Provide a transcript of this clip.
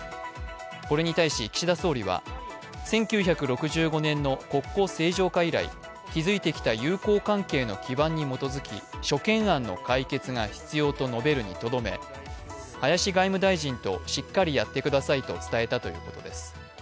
これに対し、岸田総理は１９６５年の国交正常化以来、築いてきた友好関係の基盤に基づき諸懸案の解決が必要と述べるにとどめ林外務大臣としっかりやってくださいと伝えたということです。